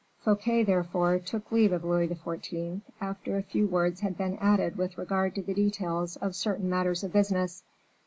Fouquet, therefore, took leave of Louis XIV., after a few words had been added with regard to the details of certain matters of business.